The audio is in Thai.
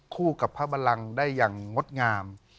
คู่กับภรรรน์ได้อย่างงดงาม